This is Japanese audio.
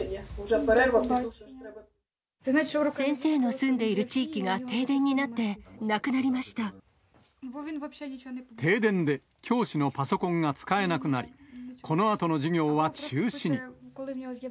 先生の住んでいる地域が停電停電で教師のパソコンが使えなくなり、このあとの授業は中止に。